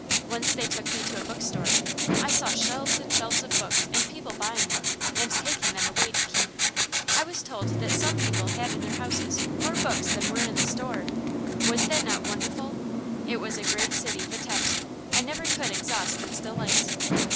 Once they took me to a bookstore. I saw shelves and shelves of books, and people buying them, and taking them away to keep. I was told that some people had in their own houses more books than were in the store. Was not that wonderful? It was a great city, Vitebsk; I never could exhaust its delights.